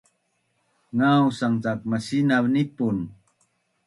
ngausang cak masinav nipun